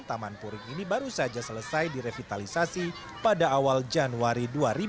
taman puring ini baru saja selesai direvitalisasi pada awal januari dua ribu dua puluh